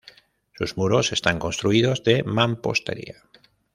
Sus muros están construidos de mampostería.